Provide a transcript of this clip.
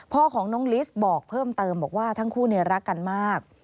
พ่อของน้องลิสบอกเพิ่มเติมบอกว่าทั้งคู่รักกันมาก